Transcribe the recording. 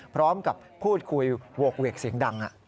พร้อมกับพูดคุยโหกเวกเสียงดัง